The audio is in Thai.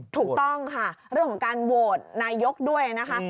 ถูกต้องค่ะเรื่องของการโหวตนายกด้วยนะคะ